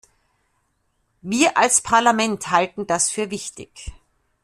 Wir als Parlament halten das für wichtig.